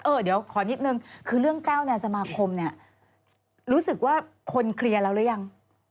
เดี๋ยวขอนิดนึงคือเรื่องแต้วในสมาคมเนี่ยรู้สึกว่าคนเคลียร์แล้วหรือยัง